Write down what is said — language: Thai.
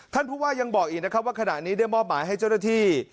ผู้ว่ายังบอกอีกนะครับว่าขณะนี้ได้มอบหมายให้เจ้าหน้าที่